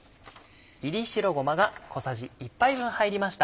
炒り白ごまが小さじ１杯分入りました。